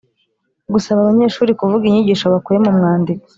Gusaba abanyeshuri kuvuga inyigisho bakuye mu mwandiko